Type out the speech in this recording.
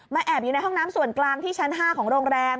แอบอยู่ในห้องน้ำส่วนกลางที่ชั้น๕ของโรงแรม